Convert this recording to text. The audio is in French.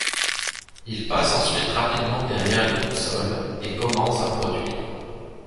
Il passe ensuite rapidement derrière les consoles et commence à produire.